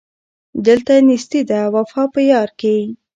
دلته نېستي ده وفا په یار کي